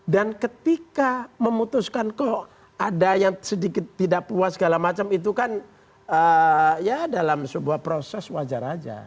dan ketika memutuskan kok ada yang sedikit tidak puas segala macam itu kan ya dalam sebuah proses wajar aja